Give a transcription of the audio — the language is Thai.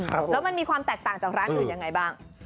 แล้วมันมีความแตกต่างจากร้านอื่นยังไงบ้าง